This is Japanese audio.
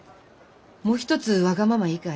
もう一つわがままいいかい？